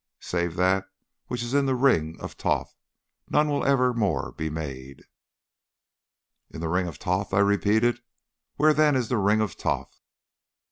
Save that which is in the ring of Thoth, none will ever more be made. "'In the ring of Thoth!' I repeated; 'where then is the ring of Thoth?